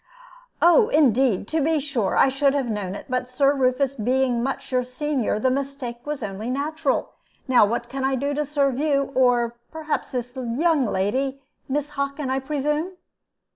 "Oh, indeed! To be sure, I should have known it, but Sir Rufus being much your senior, the mistake was only natural. Now what can I do to serve you, or perhaps this young lady Miss Hockin, I presume?"